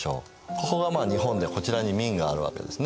ここがまあ日本でこちらに明があるわけですね。